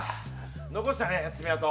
残したね、爪痕。